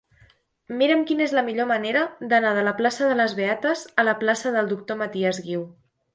Mira'm quina és la millor manera d'anar de la plaça de les Beates a la plaça del Doctor Matias Guiu.